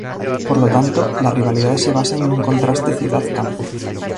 Por lo tanto, la rivalidad se basa en un contraste ciudad-campo.